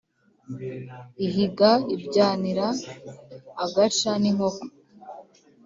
Ihiga ibyanira agaca n’inkoko